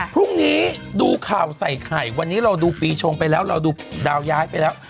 พรุ่งนี้ดูข่าวใส่ไข่วันนี้เราดูปีชงไปแล้วเราดูดาวย้ายไปแล้ว